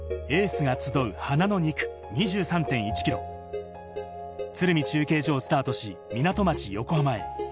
エースが集う花の２区２３．１ｋｍ、鶴見中継所をスタートし港町・横浜へ。